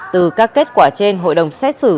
từ các kết quả trên hội đồng xét xử